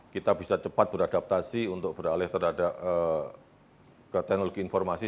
kita bisa cepat beradaptasi untuk beralih terhadap ke teknologi informasi